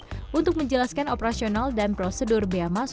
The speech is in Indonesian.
horizons untuk menjelaskan operasional dan prosedur biaya masuk di lapangan